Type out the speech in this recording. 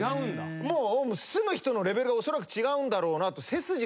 もう住む人のレベルがおそらく違うんだろうなと。